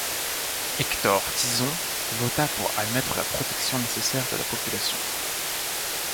Héctor Tizon, vota pour admettre la protection nécessaire de la population.